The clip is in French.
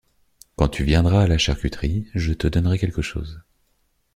Quand tu viendras à la charcuterie, je te donnerai quelque chose.